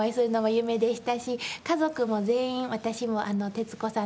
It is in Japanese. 家族も全員私も徹子さん